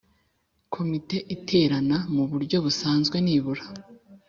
Komite iterana mu buryo busanzwe nibura